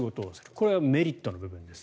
これはメリットの部分です。